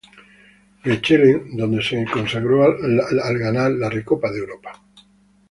Mechelen, donde se consagró al ganar la Recopa de Europa.